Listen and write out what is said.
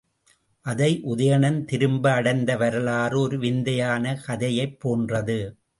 அதை உதயணன் திரும்ப அடைந்த வரலாறு ஒரு விந்தையான கதையைப் போன்றது.